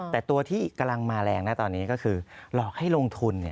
แต่ตัวที่กำลังมาแรงนะตอนนี้ก็คือหลอกให้ลงทุน